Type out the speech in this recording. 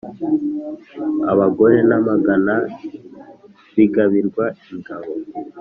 Abagore n’amagana bigabirwa ingabo